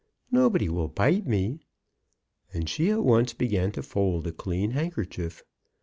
Nobody will bite me "; and she at once began to fold a clean handkerchief.